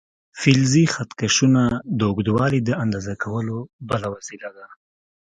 فلزي خط کشونه د اوږدوالي د اندازه کولو بله وسیله ده.